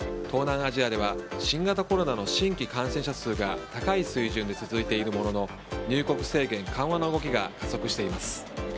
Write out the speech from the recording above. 東南アジアでは新型コロナの新規感染者数が高い水準で続いているものの入国制限緩和の動きが加速しています。